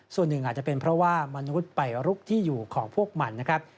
ส่วนหนึ่งอาจจะเป็นเพราะว่ามนุษย์ไปลุกที่อยู่ของพวกมันนะครับ